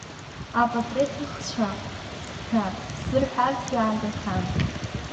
Апатреҭҭыхцәа ҳәа ззырҳәазгьы ааргахьан.